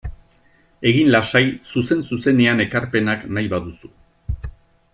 Egin lasai zuzen-zuzenean ekarpenak nahi baduzu.